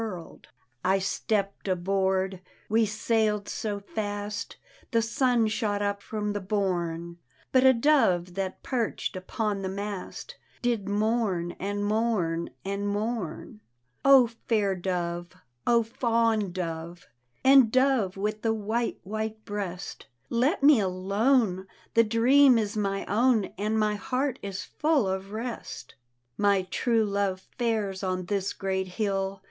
149 D,gt,, erihyGOOgle The Haunted Hour I stepp'd abroad, — we saii'd so fast, — The sun shot up from the bourn; But a dove that pcrch'd upon the mast Did mourn and mourn and mourn. O fair dove! O fond dove I And dove with the white, white breast, Let me alone, the dream is my own, And my heart is full of rest. My true love fares on this great hill.